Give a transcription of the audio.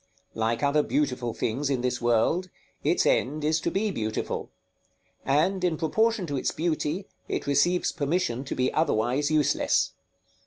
Like other beautiful things in this world, its end is to be beautiful; and, in proportion to its beauty, it receives permission to be otherwise useless.